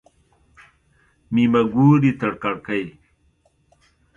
مېمه ګوري تر کړکۍ.